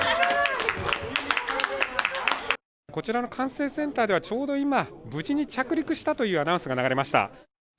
こちらの管制センターではちょうど今、無事に着陸したというアナウンスが流れました。